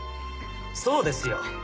そうですよ。